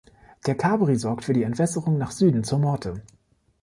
Der Cabri sorgt für die Entwässerung nach Süden zur Morte.